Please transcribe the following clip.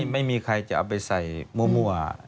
ไม่มีใครจะเอาไปใส่มั่ว